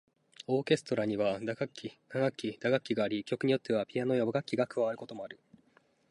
オーケストラには弦楽器、管楽器、打楽器があり、曲によってはピアノや和楽器が加わることもある。